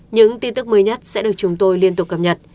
những tin tức mới nhất sẽ được chúng tôi liên tục cập nhật